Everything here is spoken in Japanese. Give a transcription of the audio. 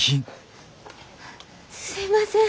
すいません。